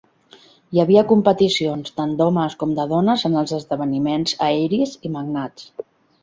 Hi havia competicions tant d'homes com de dones en els esdeveniments "aeris" i "magnats".